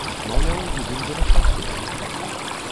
Маўляў, будзем вырашаць пытанне.